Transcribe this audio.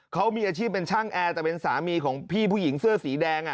เขามีอาชีพเป็นช่างแอร์แต่เป็นสามีของพี่ผู้หญิงเสื้อสีแดง